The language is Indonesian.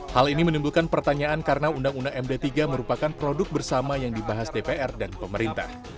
hal ini menimbulkan pertanyaan karena undang undang md tiga merupakan produk bersama yang dibahas dpr dan pemerintah